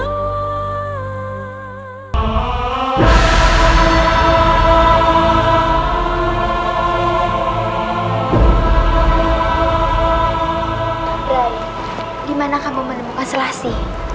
bray dimana kamu menemukan selasi